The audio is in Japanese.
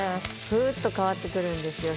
ふっと変わって来るんですよ